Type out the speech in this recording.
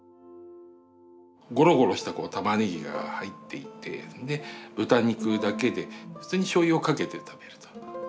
ゴロゴロしたたまねぎが入っていてで豚肉だけでそしてしょうゆをかけて食べると。